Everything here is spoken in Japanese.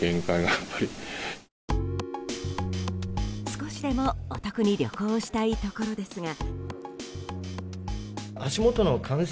少しでもお得に旅行したいところですが。